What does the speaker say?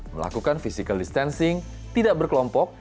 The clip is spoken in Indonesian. melakukan physical distancing tidak berkelompok